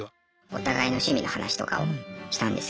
お互いの趣味の話とかをしたんですけど。